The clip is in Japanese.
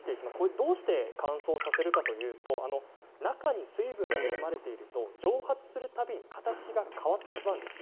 どうして乾燥させるかというと中に水分が含まれていると蒸発するたびに形が変わってしまうんです。